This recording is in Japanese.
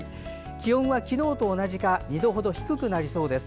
気温は昨日と同じか２度程、低くなりそうです。